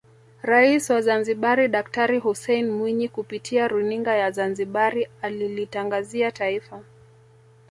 Rais wa Zanzibari Daktari Hussein Mwinyi kupitia runinga ya Zanzibari alilitangazia Taifa